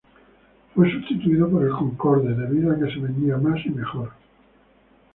Fue sustituido por el Concorde debido a que se vendía más y mejor.